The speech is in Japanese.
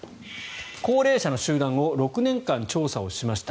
高齢者の集団を６年間調査しました。